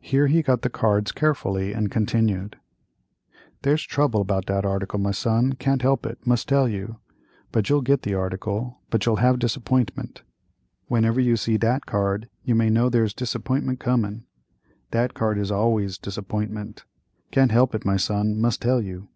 Here he cut the cards carefully, and continued: "There's trouble 'bout dat article, my son, can't help it, must tell you—but you'll get the article, but you'll have disappointment. Whenever you see dat card you may know there's disappointment comin'—dat card is always disappointment—can't help it, my son, must tell you."